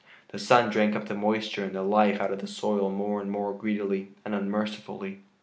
The sun drank up the moisture and the life out of the soil more and more greedily and unmercifully.